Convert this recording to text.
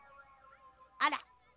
あら。